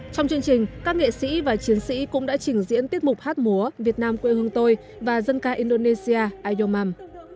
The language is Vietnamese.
trong chương trình các nghệ sĩ và chiến sĩ cũng đã trình diễn tiết mục hát múa việt nam quê hương tôi và dân ca indonesia a yomam